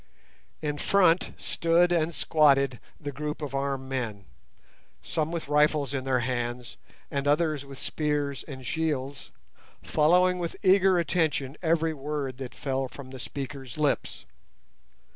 In front stood and squatted the group of armed men—some with rifles in their hands, and others with spears and shields—following with eager attention every word that fell from the speaker's lips.